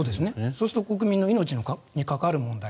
そうすると国民の命に関わる問題。